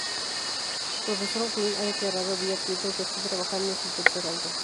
Professor Green ha declarado via Twitter que está trabajando en su tercer álbum.